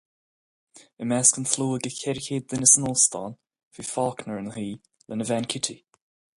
I measc an tslua de ceithre chéad duine san Óstán, bhí Faulkner ina shuí lena bhean Kitty.